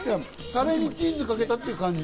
カレーにチーズかけたって感じ。